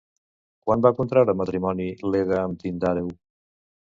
Quan va contraure matrimoni Leda amb Tindàreu?